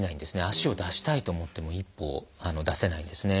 足を出したいと思っても一歩出せないんですね。